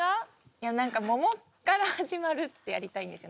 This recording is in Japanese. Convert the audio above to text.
いやなんか「桃から始まる」ってやりたいんですよ。